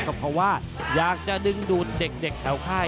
ก็เพราะว่าอยากจะดึงดูดเด็กแถวค่าย